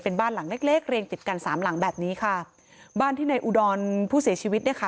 เป็นบ้านหลังเล็กเล็กเรียงติดกันสามหลังแบบนี้ค่ะบ้านที่ในอุดรผู้เสียชีวิตเนี่ยค่ะ